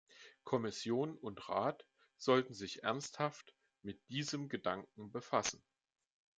Kommission und Rat sollten sich ernsthaft mit diesem Gedanken befassen.